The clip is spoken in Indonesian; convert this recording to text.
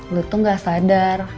lo tuh gak sadar